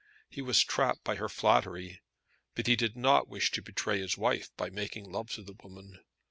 He was trapped by her flattery, but he did not wish to betray his wife by making love to the woman.